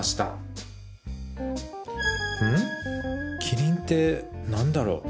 「キリン」って何だろう？